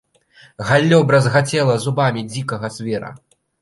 Галлё бразгацела зубамі дзікага звера.